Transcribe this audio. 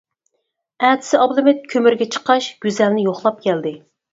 ئەتىسى ئابلىمىت كۆمۈرگە چىققاچ گۈزەلنى يوقلاپ كەلدى.